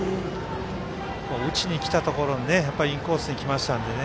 打ちにきたところインコースにきましたのでね